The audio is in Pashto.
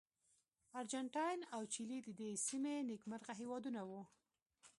ارجنټاین او چیلي د دې سیمې نېکمرغه هېوادونه وو.